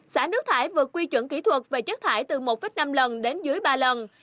xả nước thải vượt quy chuẩn kỹ thuật về chất thải từ một năm lần đến dưới ba lần